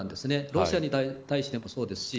ロシアに対してもそうですし。